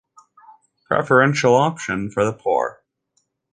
Preferential Option for the Poor.